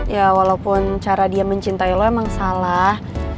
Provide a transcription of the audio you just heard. ya walaupun cara dia mencintai lo emang salah